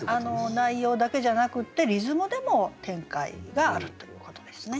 内容だけじゃなくてリズムでも展開があるということですね。